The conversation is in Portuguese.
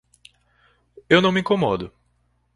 Eu não me incomodo.